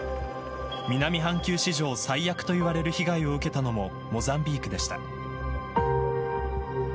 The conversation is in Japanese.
南半球史上最悪といわれる被害を受けたのもモザンビークでした。